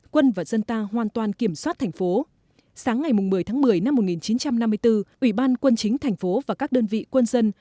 quân và dân ta hoàn toàn kiểm soát thành phố sáng ngày một mươi tháng một mươi năm một nghìn chín trăm năm mươi bốn ủy ban quân chính thành phố và các đơn vị quân dân